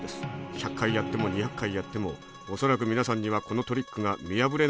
１００回やっても２００回やってもおそらく皆さんにはこのトリックが見破れないでしょう。